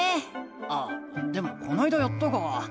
あでもこないだやったか。